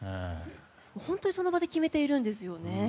本当にその場で決めているんですよね。